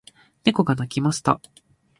猫が鳴きました。